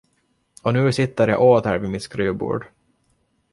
Och nu sitter jag åter vid mitt skrivbord.